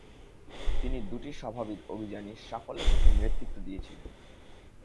তিনি দুটি সাভাবিদ অভিযানই সাফল্যের সাথে নেতৃত্ব দিয়েছিলেন।